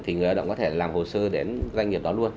thì người lao động có thể làm hồ sơ đến doanh nghiệp đó luôn